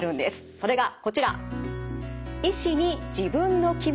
それがこちら。